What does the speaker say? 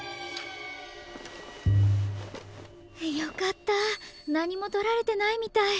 よかった何もとられてないみたい。